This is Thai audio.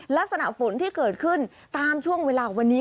ลักษณะฝนที่เกิดขึ้นตามช่วงเวลาวันนี้